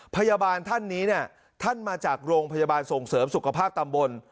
พยาบาลท่านนี้เนี่ยท่านมาจากโรงพยาบาลส่งเสริมสุขภาพตำบล